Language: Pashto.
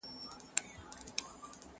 ولي هره ورځ اخته یو په غمونو؛